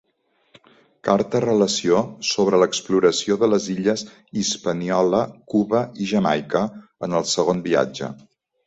Carta-relació sobre l'exploració de les illes Hispaniola, Cuba i Jamaica en el Segon Viatge.